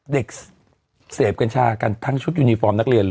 เด็กเสพกัญชากันทั้งชุดยูนิฟอร์มนักเรียนเลย